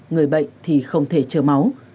người bệnh thì không thể chờ máu